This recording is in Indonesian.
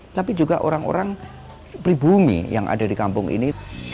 tapi juga orang orang pribumi yang ada di kampung ini